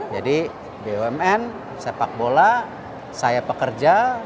jadi bmn sepak bola saya pekerja